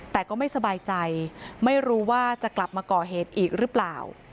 แต่ก็ไม่สบายใจไม่รู้ว่าจะกลับมาก่อเหตุอีกหรือเปล่า